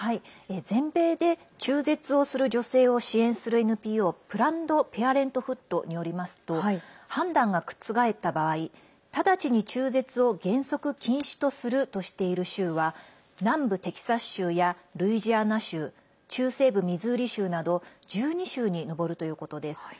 全米で中絶をする女性を支援するＮＰＯプランド・ペアレントフッドによりますと判断が覆った場合直ちに中絶を原則、禁止とするとしている州は南部テキサス州やルイジアナ州中西部ミズーリ州など１２州に上るということです。